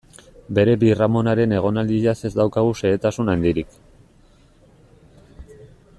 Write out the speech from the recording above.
Bere birramonaren egonaldiaz ez daukagu xehetasun handirik.